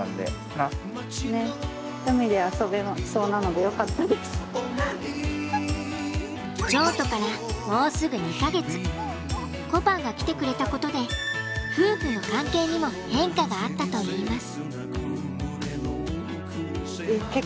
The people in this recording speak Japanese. これからちょっと譲渡からこぱんが来てくれたことで夫婦の関係にも変化があったといいます。